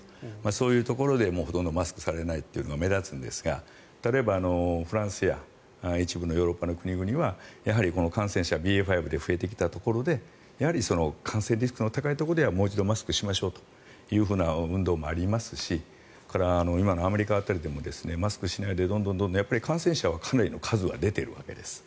そういうところで、ほとんどマスクされないというのが目立つんですが例えば、フランスや一部のヨーロッパの国々はやはり感染者がこのＢＡ．５で増えてきたところで感染リスクの高いところではもう一度マスクしましょうという運動もありますしそれから今のアメリカ辺りでもマスクしないでどんどん感染者はかなりの数は出ているわけです。